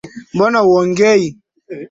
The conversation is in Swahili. Mbona huongei